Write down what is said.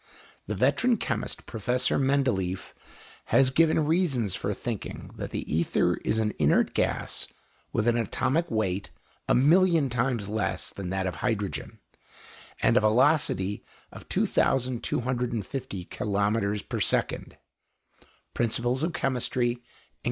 The veteran chemist Professor Mendeléeff has given reasons for thinking that the ether is an inert gas with an atomic weight a million times less than that of hydrogen, and a velocity of 2250 kilometres per second (Principles of Chemistry, Eng.